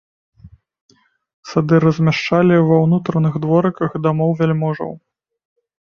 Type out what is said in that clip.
Сады размяшчалі ва ўнутраных дворыках дамоў вяльможаў.